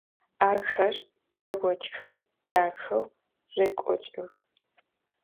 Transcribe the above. Ахэр зэготхэу дахэу рекӏокӏых.